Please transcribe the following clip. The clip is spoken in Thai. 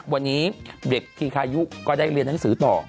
วันนี้เด็กทีคายุก็ได้เรียนหนังสือต่อ